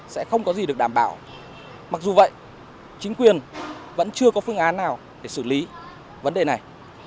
sẽ không có gì được đảm bảo mặc dù vậy chính quyền vẫn chưa có phương án nào để xử lý vấn đề này